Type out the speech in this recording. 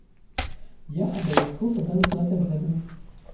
Я абавязкова дам знаць аб гэтым.